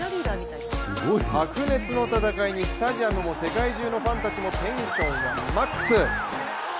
白熱の戦いにスタジアムも世界中のファンたちもテンションがマックス。